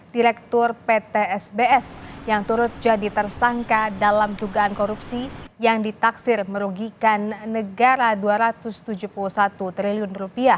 direktur ptsbs yang turut jadi tersangka dalam dugaan korupsi yang ditaksir merugikan negara rp dua ratus tujuh puluh satu triliun